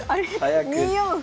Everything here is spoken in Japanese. ２四歩。